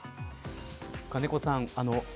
金子さん